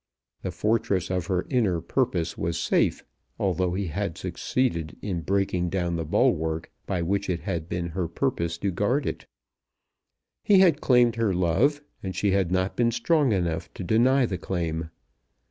The fortress of her inner purpose was safe, although he had succeeded in breaking down the bulwark by which it had been her purpose to guard it. He had claimed her love, and she had not been strong enough to deny the claim.